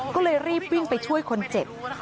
ก็เลยรีบวิ่งไปช่วยคนเจ็บ